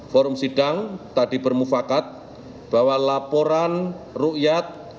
forum sidang tadi bermufakat bahwa laporan rukyat